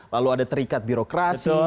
lalu ada terikat birokrasi